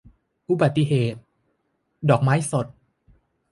อุบัติเหตุ - ดอกไม้สด